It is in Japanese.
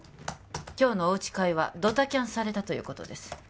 今日のおうち会はドタキャンされたということです